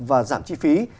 và giảm chi phí